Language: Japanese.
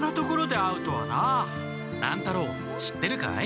乱太郎知ってるかい？